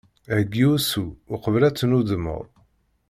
Heggi usu, uqbel ad tennudmeḍ.